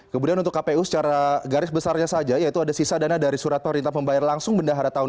kemudian untuk kpu secara garis besarnya saja yaitu ada sisa dana dari surat perintah pembayar langsung bendahara tahun dua ribu dua